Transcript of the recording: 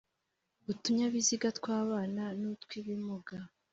utunyabiziga twabana n’utwibimuga